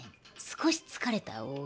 少し疲れたＯＬ。